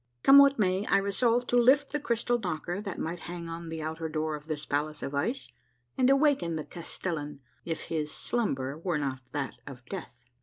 Come what may, I resolved to lift the crystal knocker that might hang on the outer door of this palace of ice and awaken the castellan, if his slumber were not that of death.